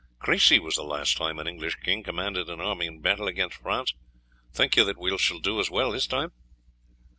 Crecy was the last time an English king commanded an army in battle against France; think you that we shall do as well this time?"